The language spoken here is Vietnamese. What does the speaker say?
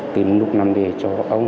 thì lúc nằm để cho ông